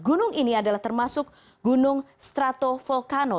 gunung ini adalah termasuk gunung stratovolcano